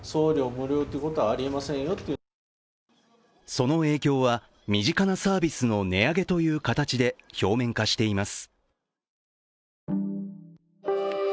その影響は身近なサービスの値上げという形で表面化しています。